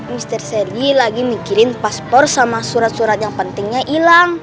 mr seri lagi mikirin paspor sama surat surat yang pentingnya hilang